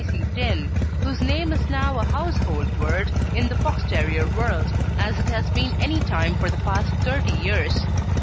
C. Tinne, whose name is now a household word in the Fox terrier world, as it has been any time for the past thirty years.